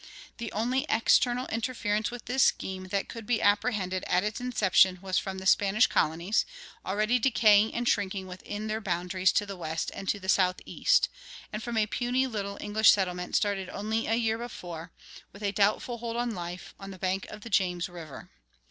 The only external interference with this scheme that could be apprehended at its inception was from the Spanish colonies, already decaying and shrinking within their boundaries to the west and to the southeast, and from a puny little English settlement started only a year before, with a doubtful hold on life, on the bank of the James River.